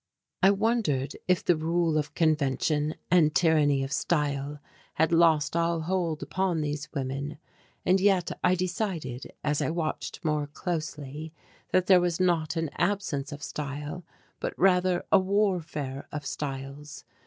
I wondered if the rule of convention and tyranny of style had lost all hold upon these women. And yet I decided, as I watched more closely, that there was not an absence of style but rather a warfare of styles.